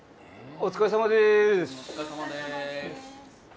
お疲れさまです。